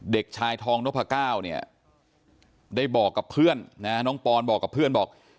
เด็กชายทองนพก้าวเนี่ยได้บอกกับเพื่อนนะน้องปอนบอกกับเพื่อนบอก